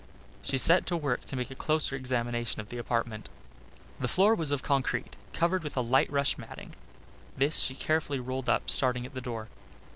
She set to work to make a closer examination of the apartment. The floor was of concrete, covered with a light rush matting. This she carefully rolled up, starting at the door.